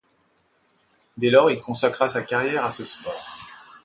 Dès lors, il consacra sa carrière à ce sport.